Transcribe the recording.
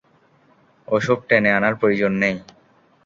ওসব টেনে আনার প্রয়োজন নেই।